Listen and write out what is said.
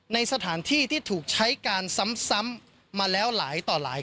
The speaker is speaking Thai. ในสถานที่ที่ถูกใช้การซ้ำมาแล้วหลายต่อหลาย